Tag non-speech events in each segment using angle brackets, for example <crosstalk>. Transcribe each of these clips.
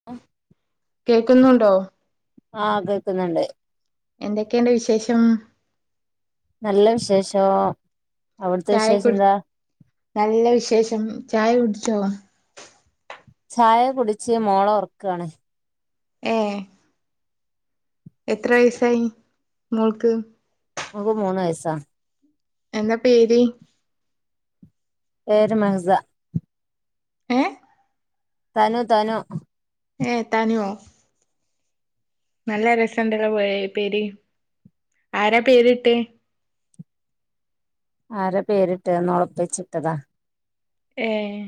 <inaudible> കേൾക്കുന്നുണ്ടോ ആഹ് കേൾക്കുന്നുണ്ട് എന്തൊക്കെയുണ്ട് വിശേഷം നല്ല വിശേഷം അവിടുത്തെ ചായ വിശേഷം കുടി എന്താ നല്ല വിശേഷം ചായ കുടിച്ചോ ചായ കുടിച്ച് മോളെ ഒറക്കുവാണ് ഏഹ എത്ര വയസായി മോൾക്ക് ഓള്ക്ക് മൂന്ന് വയസ്സാ എന്താ പേര് പേര് മൻസാ ഏഹ് തനു തനു ഏഹ് തനു നല്ല രസണ്ടല്ലോ പേ പേര് ആരാ പേര്ട്ടേ ആരാ പേരിട്ടേന്നൊ ഓളെ ഇപ്പച്ചിയിട്ടതാ ഏഹ്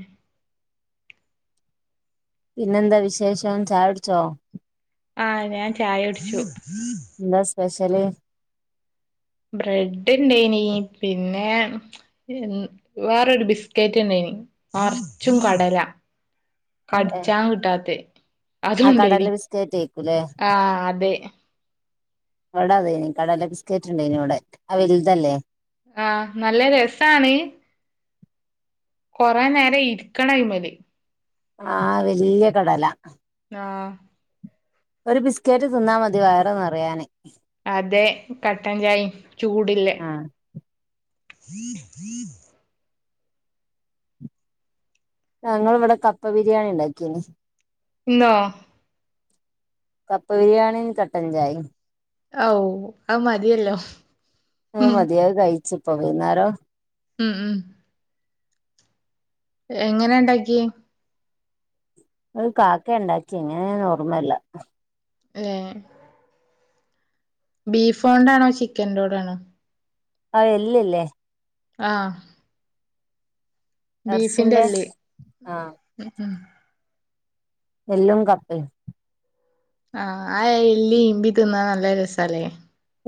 പിന്നെന്താ വിശേഷം ചായുട്ച്ചോ ആഹ് ഞാൻ ചായ കുട്ച്ചു എന്താ സ്പെഷ്യല് ബ്രെഡ് ഇണ്ടേനി പിന്നെ <unintelligible> ഉം വേറൊരു ബിസ്ക്കറ്റ് ഇണ്ടേനി നറച്ചും കടല ഏഹ് കട്ച്ചാൻ കിട്ടാത്തെ അതും ആഹ് കടല ഇണ്ടേനി ബിസ്ക്കറ്റ് ആയിക്കൂലേ ആഹ് അതെ ഇവടെ അതേനി കടല ബിസ്കറ്റ് ഇണ്ടേനി ഇവടെ ആ വല്തല്ലേ ആഹ് നല്ല രസാണ് കൊറെ നേരം ഇരിക്കണം അയിമ്മല് ആഹ് വെല്ല്യ കടല ആഹ് ഒരു ബിസ്ക്കറ്റ് തിന്നാ മതി വയറ് നറയാന് അതെ കട്ടൻചായിം ചൂട്ല്ലേ ആഹ് ഞങ്ങള് ഇവടെ കപ്പ ബിരിയാണി ഇണ്ടാക്കീനി ഇന്നോ കപ്പ ബിരിയാണിം കട്ടൻചായിം അവു അഹ് മതിയല്ലോ ഉം ഇഞ്ഞ് അഹ് കഴിച്ച് ഇപ്പൊ വൈന്നാരോ ഉം ഉം എങ്ങനെ ഇണ്ടാക്കിയേ അഹ് കാക്കെ ഇണ്ടാക്കിയെ എങ്ങനേന്ന് ഓർമ്മല്ല ഏഹ് ബീഫോണ്ടാണോ ചിക്കന്റോടെണോ ആഹ് എല്ല് ഇല്ലേ ആഹ് ബീഫിന്റെ എറച്ചിന്റെ എല്ല് ഉം ഉം എല്ലും കപ്പേം ആഹ് ആ എല്ല് ഈമ്പി തിന്നാ നല്ല രസല്ലേ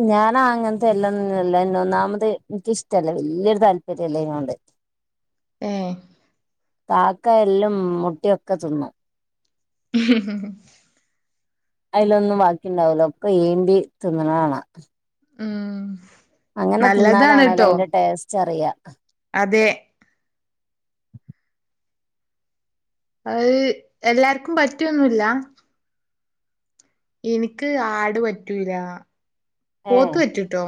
ഞാനാ അങ്ങത്തെ എല്ലോന്നും അല്ലാരുന്നു ഒന്നാമത് ഇന്ക്കിഷ്ടല്ല വെല്ല്യൊരു താല്പര്യല്ല ഇതിനോണ്ട് ഏഹ് കാക്ക എല്ലും മുട്ടിയൊക്കെ തിന്നും അയിലൊന്നും ബാക്കി ഇണ്ടാവുല്ല ഒക്കെ ഈമ്പി തിന്നണ കാണാ ഉം അങ്ങനെ നല്ലതാണ് തിന്നാലാണല്ല ട്ടോ അയിന്റെ ടേസ്റ്റ് അറിയാ അതെ അഹ് എല്ലാർക്കും പറ്റിയൊന്നുല്ല ഇനിക്ക് ആട് പറ്റൂല ഏ പോത്ത് പറ്റൂട്ടോ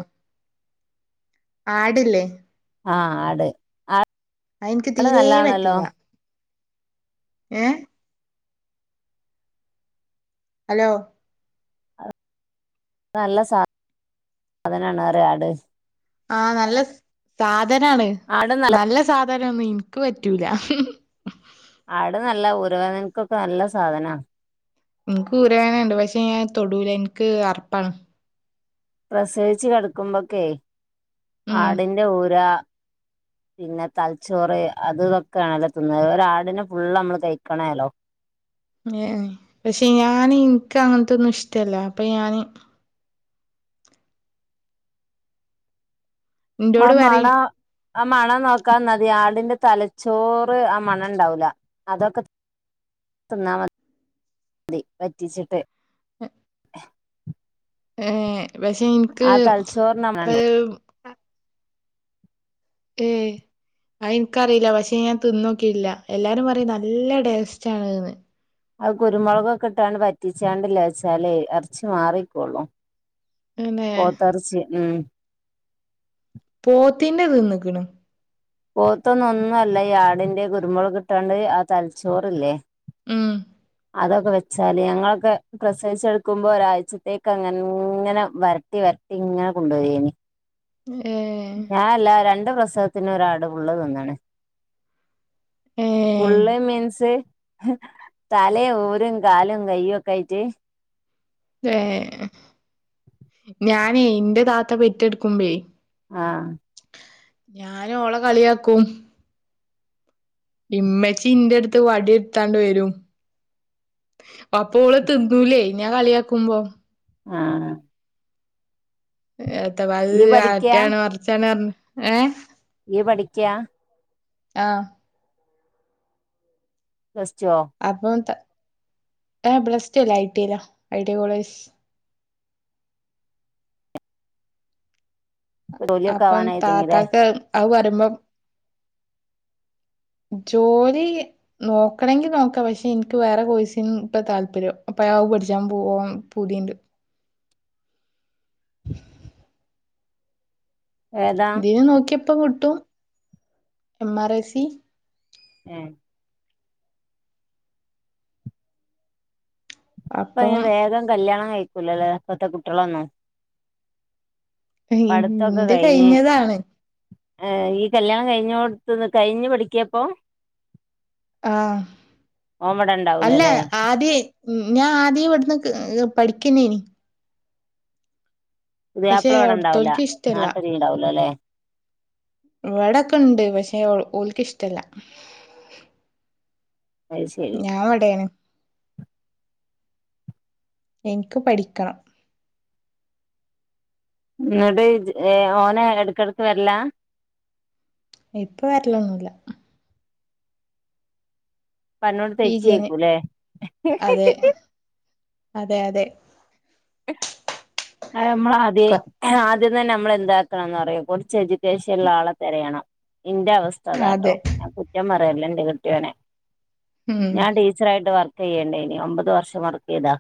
ആടില്ലേ ആഹ് ആട് ആ അഹ് ഇൻക്ക് തീരെേ പറ്റുല്ല ഏഹ് ഹലോ നല്ല സാധനാണ് അറിയ ആട് ആഹ് നല്ല സാധനാണ് ആടും നല്ല നല്ല സാധനൊന്നും ഇൻക്ക് പറ്റൂല ആട് നല്ല ഊരവേനക്കൊക്കെ നല്ല സാധനാ ഇൻക്ക് ഊരവേനണ്ട് പക്ഷെ ഞാൻ തൊടുല ഇൻക്ക് അറപ്പാണ് പ്രസവിച്ചു കെടക്കുമ്പോക്കെ ഉം ആടിന്റെ ഊരാ പിന്നെ തലച്ചോറ് അത് ഇതൊക്കെ ആണല്ലോ തിന്ന് അതുപോലെ ഒരാടിനെ ഫുള്ള് നമ്മള് കഴിക്കണേല്ലോ ഏഹ് പക്ഷെ ഞാന് ഇൻക്ക് അങ്ങനത്തൊന്നും ഇഷ്ടല്ല അപ്പോ ഞാന് ആ ഇൻ്റോട് പറയും മണാ ആ മണം നോക്കാൻ ന്നാതി ആടിന്റെ തലച്ചോറ് ആ മണം ഇണ്ടാവൂല അതൊക്കെ തിന്നാ മതി വറ്റിച്ചിട്ട് ഏഹ് പക്ഷെ ഇൻക്ക് ആ തലച്ചോറിന് മണണ്ടാവും അഹ് റ്റേ ആഹ് ഇൻക്കറിയില്ല പക്ഷെ ഞാൻ തിന്നോക്കിയില്ല എല്ലാരും പറയും നല്ല ടേസ്റ്റ് ആണ്ന്ന് അത് കുരുമുളകൊക്കെ ഇട്ടാണ്ട് വറ്റിച്ചാണ്ടിലെച്ചാല് എറച്ചി മാറി ഇക്കുള്ളൂ പിന്നെ പൊത്തേ എറിച്ചി ഉം പോത്തിന്റെ തിന്ന്ക്ണ് പോത്തൊന്നും ഒന്നും അല്ല ഈ ആടിന്റെ കുരുമുളക് ഇട്ടാണ്ട് ആ തലച്ചോറില്ലേ ഉം അതൊക്കെ വെച്ചാല് ഞങ്ങളൊക്കെ പ്രസവിച്ചെടുക്കുമ്പോ ഒരാഴ്ചത്തേക്ക് അങ്ങനെ ഇങ്ങനെ വരട്ടി വര ട്ടിങ്ങനെ കൊണ്ടോയേന് ഏഹ് ഞാനല്ല രണ്ട് പ്രസവത്തിനും ഒരാട് ഫുള്ള് തിന്ന്ണ് ഏ ഫുള്ള് മീൻസ് തലെ ഊരും കാലും കയ്യും ഒക്കെ ആയിട്ട് ഏഹ് ഞാനേ ഇന്റെ താത്ത പെറ്റെടുക്കുമ്പെ ആഹ് ഞാന് ഓളെ കളിയാക്കും ഇമ്മച്ചി ഇന്റെട്ത്ത് വടിട്ത്താണ്ട് വരും പപ്പൊ ഓള് തിന്നൂലേ ഞാൻ കളിയാക്കുമ്പം ആഹ് ഏത്ത അഹ് ഇയ്യ് പഠിക്കാ മറ്റാണ് മറ്ച്ചാണ് പർഞ്ഞ് ഏഹ് ഇയ്യ് പഠിയ്ക്കാ ആഹ് പ്ലസ് റ്റോ അപ്പം ത ഏ പ്ലസ്ടു അല്ല ഐ ടൈലാ ഐ ടൈ കോളേജ് ജോലിയൊക്കെ അപ്പം ആവാനായി തുടങ്ങില്ലേ താത്തക്ക് അത് പറിമ്പം ജോലി നോക്കണെങ്കി നോക്കാ പക്ഷെ ഇൻക്ക് വേറെ കോഴ്സിന് ഇപ്പ താല്പര്യം അപ്പ അത് പഠിച്ചാൻ പോവാൻ പൂതിണ്ട് <inaudible> ഏതാ ഇതിന് നോക്കിയപ്പം കിട്ടും എം ആർ ഐ സി ഏയ് ഇപ്പ അപ്പം അയിന് വേഗം കല്യാണം കഴിക്കൂലല്ല ഇപ്പത്തെ കുട്ട്യോളൊന്നും പഠുത്തൊക്കെ ഇന്റെ കഴിഞ്ഞ് കഴിഞ്ഞതാണ് ഏ ഇയ്യ് കല്യാണം കഴിഞ്ഞോട്ത്ത്ന്ന് ക കഴിഞ്ഞ് പഠിക്കിയ പ്പം ആഹ് ഓൻ ഇവിടെ അല്ല ഉണ്ടാവൂലല്ലേ ആദ്യെ ഉം ഞാൻ ആ ദ്യ ഇവട്ന്ന് പഠിക്കുന്നേനി പക്ഷെ പുതിയയാപ്പിള ഇവടെ ഉണ്ടാവുല അവിടുത്തോൽക്ക് ഇഷ്ടല്ല നാട്ട്ല് ഉണ്ടാവൂല ലെ ഇവടക്കെണ്ട് പക്ഷേ ഓൽക്ക് ഇഷ്ടല്ല അത് ശരി ഞാൻ വടേണ് ഇൻക്ക് പഠിക്കണം ന്നട്ട് ഓന് എടക്കടക്ക് വര്ല്ലാ ഇപ്പം വരല്ലൊന്നുല്ല <unintelligible> ഈ ജന തെറ്റിയേക്കൂല്ലേ അതെ അതെ അതെ ഹ് അത് ഞമ്മള് ആദ്യേ ആദ്യം തന്നെ നമ്മൾ എന്താക്കണംന്ന് അറ്യൊ കൊറച്ച് എഡ്യൂക്കേഷൻുള്ള ആളെ തെരയണം ഇന്റെ അവസ്ഥ അതാട്ടോ അതെ ഞാൻ കുറ്റം പറ്യല്ല എന്റെ കെട്ട്യോനെ ഉം ഞാൻ ടീ ച്ചറായിട്ട് വർക്ക് ചെയേണ്ടേനി ഒമ്പത് വർഷം വർക്ക് ചെയ്താ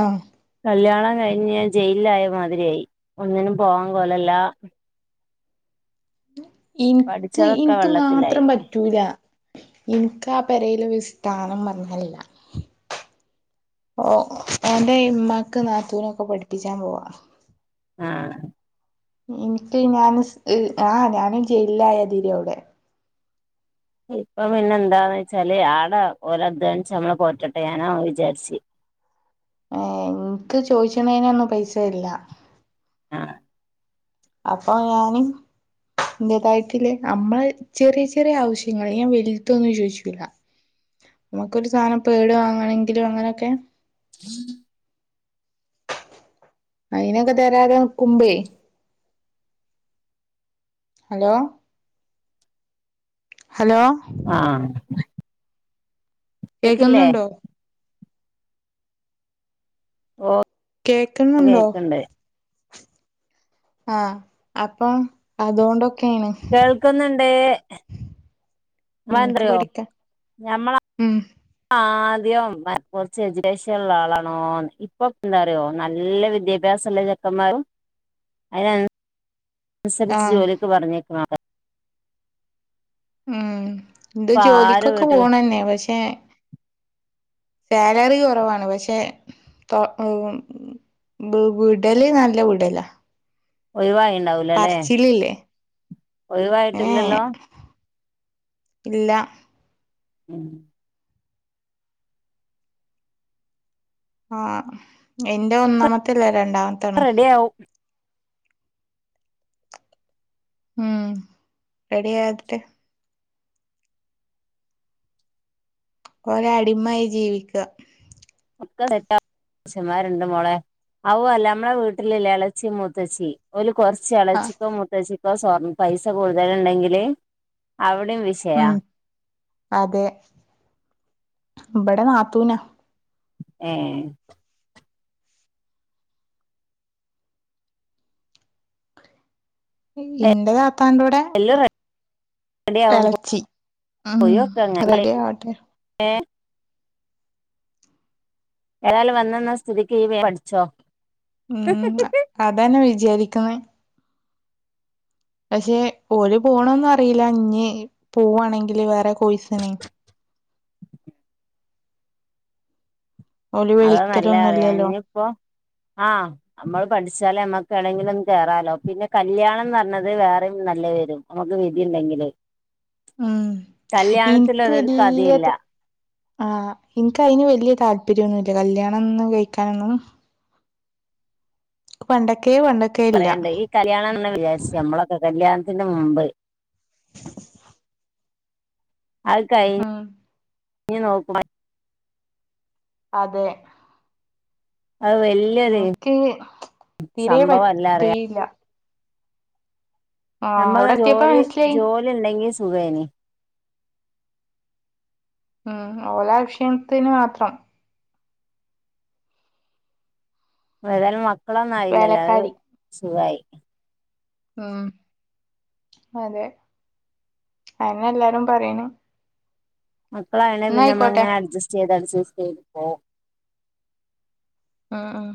ആഹ് കല്യാണം കഴിഞ്ഞ് ഞാൻ ജയിലിൽ ആയ മാതിരിയായി ഒന്നിനും പോവാൻ കോലല്ല ഇൻക്ക് പഠിച്ചതൊക്കെ ഇൻക്ക് വെള്ളത്തിലായി മാത്രം പറ്റൂല ഇൻക്ക് ആ പെരേല് ഒര് സ്ഥാനം പറഞ്ഞാ ല്ല ഓൻ്റെ ഇമ്മാക്ക് നാത്തൂനൊക്കെ പഠിപ്പിച്ചാൻ പോവാ ആഹ് ഇൻക്ക് ഞാൻ സ് ആഹ ഞാനും ജയിലിലായതിരി അവുടെ ഇപ്പം പിന്നെ എന്താന്ന് വെച്ചാല് ആട ഓല് അധ്വാനിച്ച് ഞമ്മളെ പോറ്റട്ടെ ഞാന അത് വിചാരിച്ച് ഏ ഇൻക്ക് ചോയ്ച്ച് ണേനൊന്നും പൈസ തര്ല ആഹ് അപ്പം ഞാന് ഇൻ്റതായിട്ടില്ലെ അമ്മള് ചെറി ചെറേ അവശ്യങ്ങള് ഞാൻ വലുത്തൊന്നും ചോയ്ച്ചൂല ഞമ്മക്കൊരു സാനം പേടുവാങ്ങണെങ്കിലും അങ്ങനൊക്കെ <inaudible> അയിനൊക്കെ തരാതെ നിക്കുമ്പെ ഹലോ ഹലോ ആഹ് കേക്കില്ലേ കേൾക്കുന്നുണ്ടോ ഓഹ് കേൾക്കുന്നുണ്ടോ ആഹ് അപ്പൊ അതുകൊണ്ടൊക്കെയാണ് കേൾക്കുന്നുണ്ട് എനിക്ക് എന്തറിയൂ പഠിക്കാൻ ഞമ്മള ഉം ആഹ് ആദ്യം കൊർച്ച് എജ്യുക്കേഷള്ള ആളാണോ ഇപ്പൊ എന്താറിയോ നല്ല വിദ്യ ഭ്യാസള്ള ചെക്കന്മാരും അയ്നൻസരിച്ച് ആഹ് ജോലിക്ക് പറഞ്ഞേക്ക <unintelligible> ഉം ഇന്ത് ഇപ്പൊ ആരും ജോലിക്കൊക്കെ വീട്ടില് പോണെന്നെ പക്ഷെ സാലറി കുറവാണ് പക്ഷെ ഉം വു വുടൽ നല്ല വുടല ഒഴിവായിണ്ടാവൂലാ ല്ലേ ഏ ഒഴിവായിട്ടില്ലല്ലോ ഇല്ല ഉം ആഹ് എന്റെ ഒന്നാമത്തെല്ലേ രണ്ടാമ് റെഡി ആവും ഉം രറെഡായട്ടെ ഇപ്പൊ ഓലെ അടിമായി ജീവിക്ക ഒക്ക <unintelligible> മശന്മാരുണ്ട് മോളെ അവു അല്ല അമ്മളെ വീട്ടിലല്ല എളച്ചി മൂത്തച്ചി ഓല് കൊർച്ച് ആ ഇളച്ചിക്കോ മുത്തച്ചിക്കോ സ്വർ പൈസ കൂടുതല് ഇണ്ടെങ്കിൽ അവ്ടിം വിശ് ഉം അതെ ഇബടെ നാത്തുനാ ഏഹ് ഇന്റെ താത്താന്റോടെ എല്ലാം റെഡിയാവും ഇളച്ചി ഉം റെഡി ആവട്ടെ ഏഹ് ഏതായാലും വന്നന്ന സ്ഥിതിക്ക് പഠിച്ചോ ഉം അതന്നെ വിചാരിക്കുന്നത് പക്ഷെ ഓര് പോണന്നും അറില്ല ഇഞ്ഞ് പൂവാണെങ്കില് വേറെ കോയ്സിനെ ഓല് അതോ നല്ല അറിയ വിളിക്കലൊന്നുല്ലല്ലോ ഇനിയിപ്പോ ആഹ് നമ്മൾ പഠിച്ചാലേ നമ്മക്ക് എണെങ്കിലൊന്ന് ക കേറാലോ പിന്നെ കല്യാണന്നറഞ്ഞത് വേറെയും നല്ല വരും നമുക്ക് വധി ഉണ്ടെങ്കില് ഉം ഇൻ ക്ക് അതൊരു കഥയില്ല വല്യത് ആഹ് ഇൻക്ക് അതിന് വല്യ താല്പര്യൊന്നുല്ല കല്യാണം ഒന്ന് കഴിക്കാനൊന്നും പണ്ടക്കെ പണ്ട് പറയണ്ടേ ഈ കല്യാണം എന്നന്നെ വിചാരിച്ച നമ്മളൊക്കെ കല്യാണത്തിൻ്റെ മുമ്പ് അത് ഉം കഴിഞ്ഞഞ് നോക്ക അതെ അത് വല് എനിക്ക് തീരെ സംഭവല്ലാറ പറ്റയില്ല ആഹ് നമ്മക്ക് അവിടെ എത്തിയപ്പോ ജോലി മനസ്സിലായി ജോലി ഉണ്ടെങ്കി സുഖേന് ഉം ഓലാക്ഷീണത്തിന് മാത്രം ഏതായാലും മക്കളൊന്നും ആയില്ലല്ലോ അത് വേലക്കാരി സുഖായി ഉം അതെ അന്നെ എല്ലാരും പറയണ മക്കള ആണെ പിന്നെ ആയിക്കോട്ടെ നമ്മളങ്ങനെ അഡ്സ്റ്റ് ചെയ്ത് അഡ്സ്റ്റ് ചെയ്ത് പോം ആഹ് ആഹ്